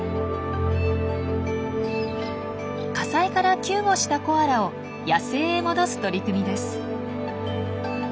火災から救護したコアラを野生へ戻す取り組みです。